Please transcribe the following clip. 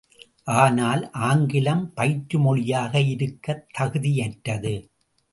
ஆனால், ஆங்கிலம் பயிற்றுமொழியாக இருக்கத் தகுதியற்றது.